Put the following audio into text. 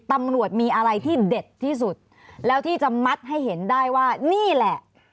ตำรวจมีอะไรที่เด็ดที่สุดแล้วที่จะมัดให้เห็นได้ว่านี่แหละ